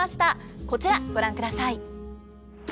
こちらご覧ください。